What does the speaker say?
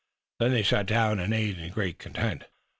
Then they sat down and ate in great content.